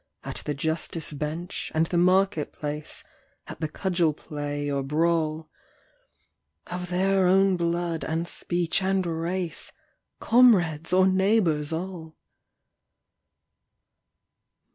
At the justice bench and the market place, At the cudgel play or brawl, Of their own blood and speech and race, Comrades or neighbours all